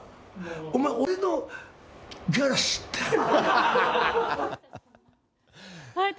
お前、俺のギャラ知ってる？